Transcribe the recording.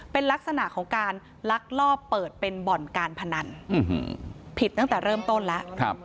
เป็นลักษณะของการลักลอบเปิดเป็นบ่อนการพนันผิดตั้งแต่เริ่มต้นแล้ว